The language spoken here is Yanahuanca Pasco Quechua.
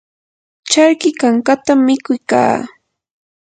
charki kankatam mikuy kaa.